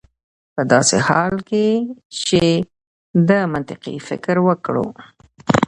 په داسې حال کې چې که منطقي فکر وکړو